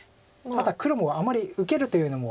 ただ黒もあまり受けるというのも。